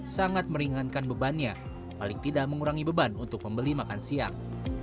sangat meringankan bebannya paling tidak mengurangi beban untuk membeli makan siang